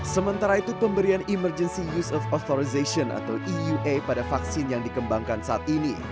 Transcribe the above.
sementara itu pemberian emergency use of authorization atau eua pada vaksin yang dikembangkan saat ini